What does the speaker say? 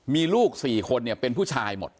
มีลูก๔คนเนี่ยเป็นผู้ชายหมด